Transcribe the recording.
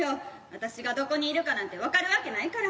私がどこにいるかなんて分かるわけないから。